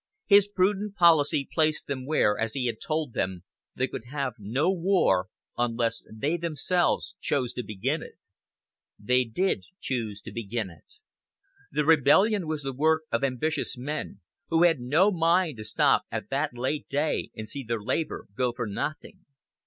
His prudent policy placed them where, as he had told them, they could have no war unless they themselves chose to begin it. They did choose to begin it. The rebellion was the work of ambitious men, who had no mind to stop at that late day and see their labor go for nothing.